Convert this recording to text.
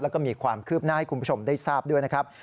แล้วก็มีความคืบหน้าให้คุณผู้ชมได้ทราบด้วยนะครับ